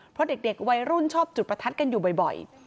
เพราะเด็กวัยรุ่นชอบจุดประทัดกันอยู่บ่อย